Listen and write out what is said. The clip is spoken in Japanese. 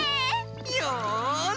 よし！